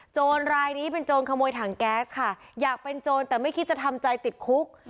รายนี้เป็นโจรขโมยถังแก๊สค่ะอยากเป็นโจรแต่ไม่คิดจะทำใจติดคุก